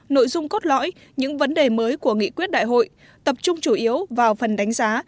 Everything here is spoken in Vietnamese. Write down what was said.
nội dung cốt lõi những vấn đề mới của nghị quyết đại hội tập trung chủ yếu vào phần đánh giá